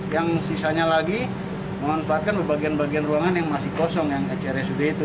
yang sisanya lagi memanfaatkan bagian bagian ruangan yang masih kosong yang rsud itu